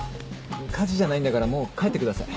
火事じゃないんだからもう帰ってください。